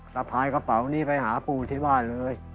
สะพายกระเป๋านี้ไปหาปู่ที่บ้านเลย